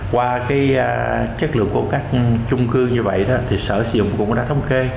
qua cái chất lượng của các chung cư như vậy đó thì sở sử dụng cũng đã thống kê